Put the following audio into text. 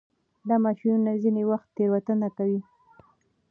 دا ماشینونه ځینې وخت تېروتنه کوي.